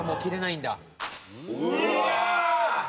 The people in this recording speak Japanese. うわ！